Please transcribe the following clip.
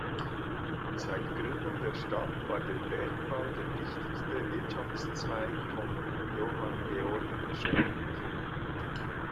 Seit Gründung der Stadt war der Bergbau der wichtigste Wirtschaftszweig von Johanngeorgenstadt.